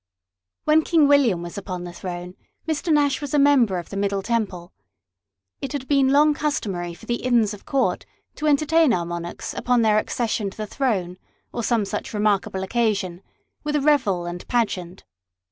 When King William was upon the throne, Mr. Nash was a member of the Middle Temple. It had been long customary for the Inns of Court to entertain our monarchs upon their accession to the crown, or some such remarkable occasion, with a revel and pageant.